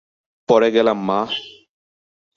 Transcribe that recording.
পড়ে গেলাম মা।